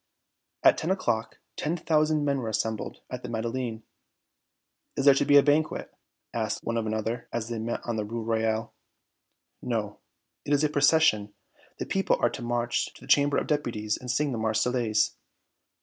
At ten o'clock ten thousand men were assembled at the Madeleine. "Is there to be a banquet?" asked one of another, as they met on the Rue Royale. "No. It is a procession. The people are to march to the Chamber of Deputies and sing the Marseillaise."